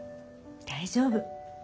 大丈夫。